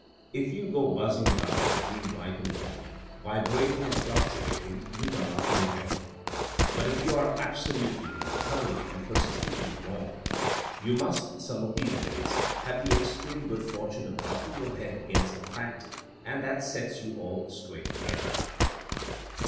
If you go buzzing about between right and wrong, vibrating and fluctu ating, you come out nowhere ; but if you are ab solutely and thoroughly and persistently wrong, you must, some of these days, have the extreme good fortune of knocking your head against a fact, and that sets you all straight again.